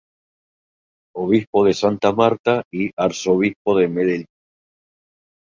Obispo de Santa Marta y arzobispo de Medellín.